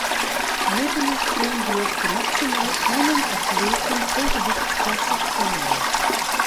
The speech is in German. Jede Nation durfte maximal einen Athleten pro Gewichtsklasse stellen.